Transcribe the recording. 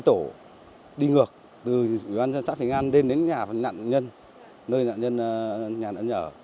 hai tổ đi ngược từ ủy ban dân xã thịnh an đến nhà nạn nhân nơi nạn nhân nhà nạn nhở